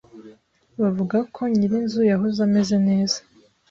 Bavuga ko nyirinzu yahoze ameze neza.